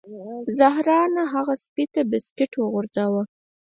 ظاهراً نه هغه سپي ته بسکټ وغورځاوه